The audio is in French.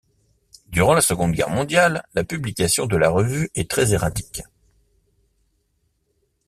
Durant la Seconde Guerre mondiale, la publication de la revue est très erratique.